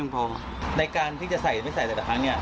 ในการที่จะใส่หรือไม่ใส่สถานเนี่ย